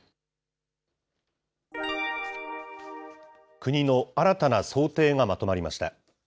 国の新たな想定がまとまりました。